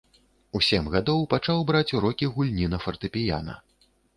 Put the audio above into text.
У сем гадоў пачаў браць урокі гульні на фартэпіяна.